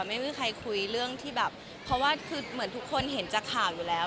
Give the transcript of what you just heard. ไม่มีใครคุยเรื่องที่แบบเพราะว่าคือเหมือนทุกคนเห็นจากข่าวอยู่แล้ว